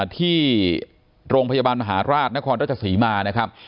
ที่โรงพยาบาลมหาราชนครราชศรีมานะครับ